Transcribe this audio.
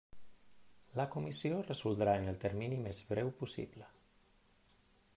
La Comissió resoldrà en el termini més breu possible.